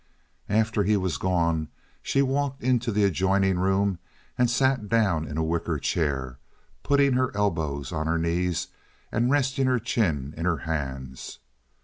After he was gone she walked into the adjoining room and sat down in a wicker chair, putting her elbows on her knees and resting her chin in her hands.